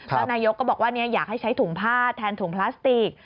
แล้วนายกก็บอกว่าอยากให้ใช้ถุงผ้าแทนถุงพลาสติก